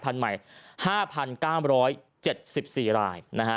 หาภัณฑ์ใหม่๕๙๗๔ราย